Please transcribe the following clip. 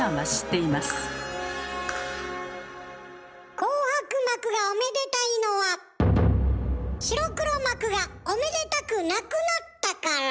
紅白幕がおめでたいのは白黒幕がおめでたくなくなったから。